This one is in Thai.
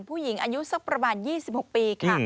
ผู้หญิงอันยุดซักประมาณ๒๖ปี